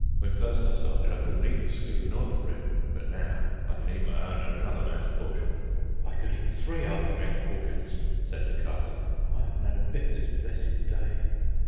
When first I started I couldn't eat the skilly nor the bread, but now I can eat my own an' another man's portion." "I could eat three other men's portions," said the Carter. "I 'aven't 'ad a bit this blessed day."